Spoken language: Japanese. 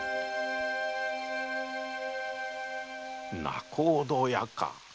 「仲人屋」か。